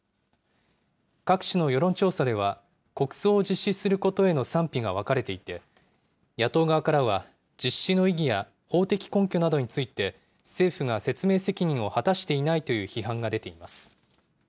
各種の世論調査では、国葬を実施することへの賛否が分かれていて、野党側からは実施の意義や法的根拠などについて、政府が説明責任を果たしていないという批判が出ています。